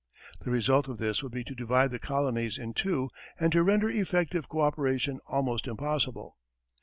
The result of this would be to divide the colonies in two and to render effective co operation almost impossible.